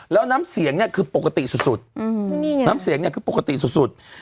แล้วน้ำเสียงเนี่ยคือปกติสุดน้ำเสียงเนี่ยคือปกติสุด